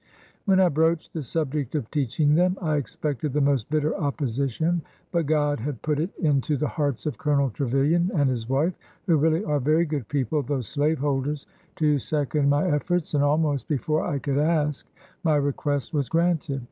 When I broached the subject of teaching them, I ex pected the most bitter opposition ; but God had put it into the hearts of Colonel Trevilian and his wife (who really are very good people, though slave holders) to second my efforts, and, almost before I could ask, my request was granted.